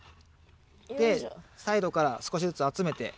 でサイドから少しずつ集めて。